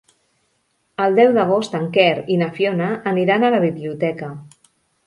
El deu d'agost en Quer i na Fiona aniran a la biblioteca.